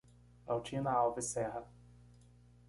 Altina Alves Serra